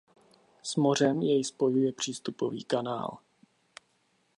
S mořem jej spojuje přístupový kanál.